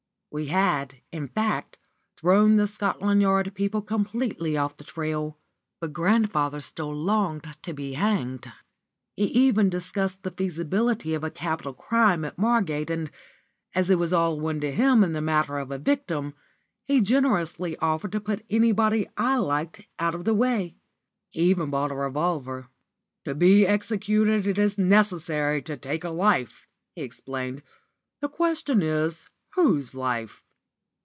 We had, in fact, thrown the Scotland Yard people completely off the trail. But grandpapa still longed to be hanged. He even discussed the feasibility of a capital crime at Margate, and, as it was all one to him in the matter of a victim, he generously offered to put anybody I liked out of the way. He even bought a revolver. "To be executed it is necessary to take a life," he explained. "The question is, whose life?